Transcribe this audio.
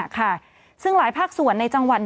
ค่ะซึ่งหลายภาคส่วนในจังหวัด